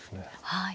はい。